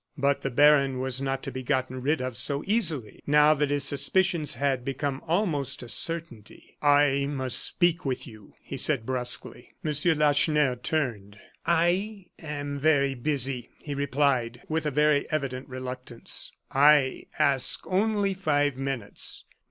But the baron was not to be gotten rid of so easily, now that his suspicions had become almost a certainty. "I must speak with you," he said, brusquely. M. Lacheneur turned. "I am very busy," he replied, with a very evident reluctance. "I ask only five minutes.